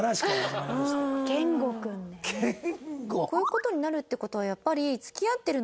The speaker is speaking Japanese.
こういう事になるって事はやっぱり。